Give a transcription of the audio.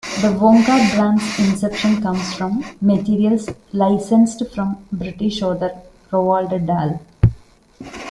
The Wonka brand's inception comes from materials licensed from British author Roald Dahl.